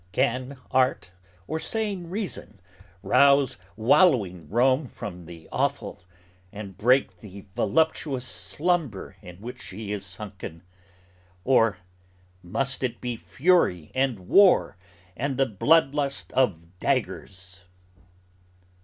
Can art or sane reason rouse wallowing Rome from the offal And break the voluptuous slumber in which she is sunken? Or must it be fury and war and the blood lust of daggers?"